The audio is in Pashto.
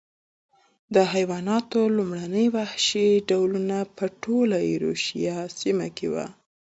د حیواناتو لومړني وحشي ډولونه په ټوله ایرویشیا سیمه کې و.